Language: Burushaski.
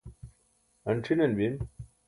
han c̣hinan bim